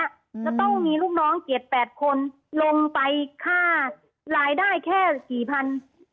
แล้วต้องมีลูกน้องเกียรติ๘คนลงไปค่ารายได้แค่กี่พัน